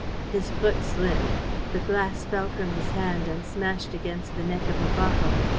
..." His foot slipped. The glass fell from his hand and smashed against the neck of a bottle.